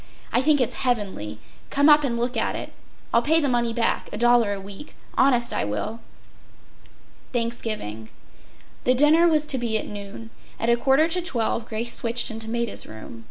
I think it’s heavenly. Come up and look at it. I’ll pay the money back, a dollar a week—honest I will.” Thanksgiving. The dinner was to be at noon. At a quarter to twelve Grace switched into Maida’s room.